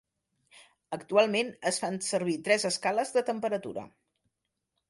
Actualment es fan servir tres escales de temperatura.